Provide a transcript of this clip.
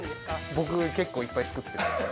僕結構いっぱい作ってます。